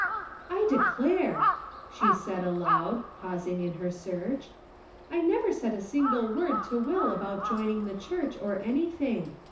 " I declare," she said aloud, pausing in her search, " I never said a single word to Will about joining the Church, or any thing.